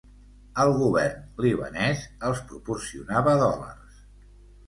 El govern libanès els proporcionava dòlars.